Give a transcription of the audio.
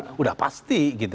sudah pasti gitu